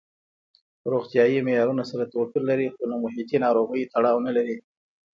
روغتیايي معیارونه سره توپیر لري خو له محیطي ناروغیو تړاو نه لري.